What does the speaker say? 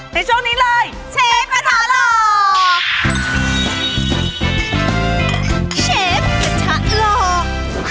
ในช่วงนี้เลยเชฟกระทะหลอก